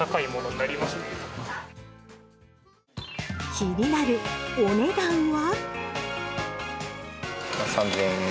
気になるお値段は。